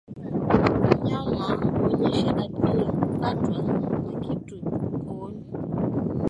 Mnyama kuonyesha dalili za kukatwa na kitu kooni